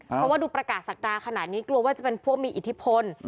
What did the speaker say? เพราะว่าดูประกาศศักดาขนาดนี้กลัวว่าจะเป็นพวกมีอิทธิพล